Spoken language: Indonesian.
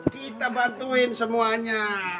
kita bantuin semuanya